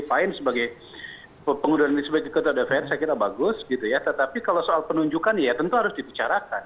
pahin sebagai ketua dpr saya kira bagus tetapi kalau soal penunjukan ya tentu harus dibicarakan